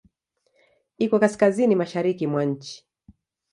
Iko kaskazini-mashariki mwa nchi.